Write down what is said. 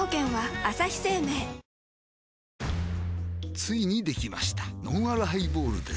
ついにできましたのんあるハイボールです